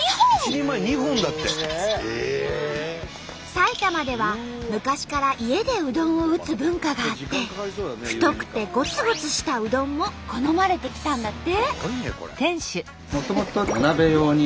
埼玉では昔から家でうどんを打つ文化があって太くてごつごつしたうどんも好まれてきたんだって。